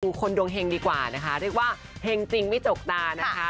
คนดวงเฮงดีกว่านะคะเรียกว่าเฮงจริงไม่จกตานะคะ